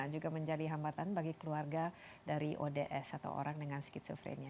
juga menjadi hambatan bagi keluarga dari ods atau orang dengan skizofrenia